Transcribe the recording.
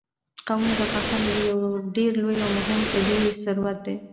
قومونه د افغانستان یو ډېر لوی او مهم طبعي ثروت دی.